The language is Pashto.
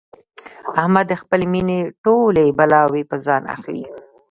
احمد د خپلې مینې ټولې بلاوې په ځان اخلي.